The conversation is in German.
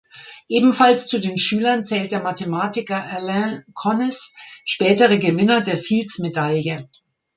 Ebenfalls zu den Schülern zählt der Mathematiker Alain Connes, späterer Gewinner der Fields Medaille.